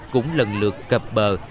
cũng lần lượt cập bờ